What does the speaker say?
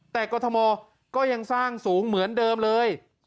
แต่กรทมก็ยังสร้างสูงเหมือนเดิมเลย